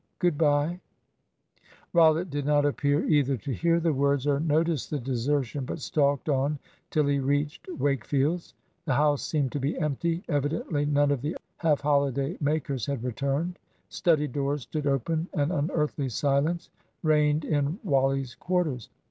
Good bye." Rollitt did not appear either to hear the words or notice the desertion, but stalked on till he reached Wakefields'. The house seemed to be empty. Evidently none of the other half holiday makers had returned. Study doors stood open; an unearthly silence reigned in Wally's quarters.